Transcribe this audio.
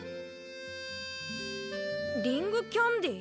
リング・キャンディ？